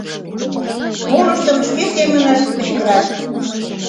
Молыштым шке семынышт кычкырат.